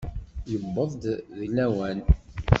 Yuweḍ-d deg lawan.